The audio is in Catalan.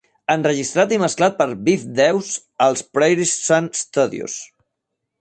Enregistrat i mesclat per Biff Dawes als Prairie Sun Studios.